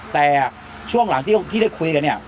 แต่ช่วงหลังที่ได้คุยกันเนี่ย